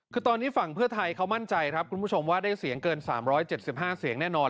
คือตอนนี้ฝั่งเพื่อไทยเขามั่นใจครับคุณผู้ชมว่าได้เสียงเกิน๓๗๕เสียงแน่นอน